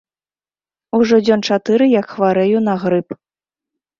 Ужо дзён чатыры як хварэю на грып.